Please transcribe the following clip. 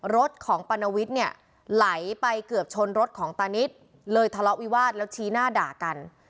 รถของปานวิทย์เนี่ยไหลไปเกือบชนรถของตานิดเลยทะเลาะวิวาสแล้วชี้หน้าด่ากัน